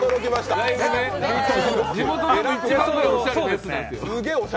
地元でも一番のおしゃれです。